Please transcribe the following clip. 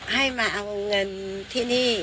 ให้มาเอาเงินที่นี่